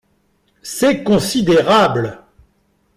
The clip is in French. C’est considérable.